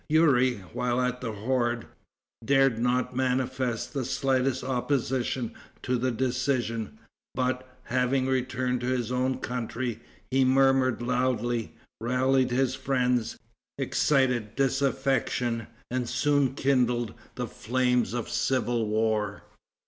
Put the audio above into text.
Youri, while at the horde, dared not manifest the slightest opposition to the decision, but, having returned to his own country, he murmured loudly, rallied his friends, excited disaffection, and soon kindled the flames of civil war.